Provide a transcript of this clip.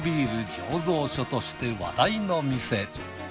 醸造所として話題の店。